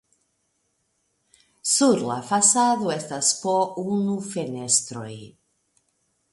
Sur la fasado estas po unu fenestroj.